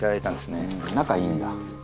「仲いいんだ」